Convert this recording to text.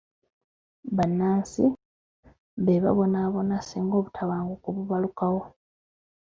Bannansi be babonaabona singa obutabanguko bubalukawo.